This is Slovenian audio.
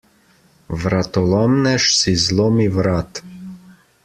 Vratolomnež si zlomi vrat.